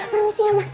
permisi ya mas